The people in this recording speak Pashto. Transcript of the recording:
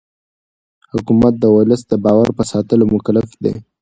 حکومت د ولس د باور په ساتلو مکلف دی